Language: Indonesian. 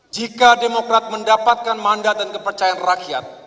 jika demokrat mendapatkan mandat dan kepercayaan rakyat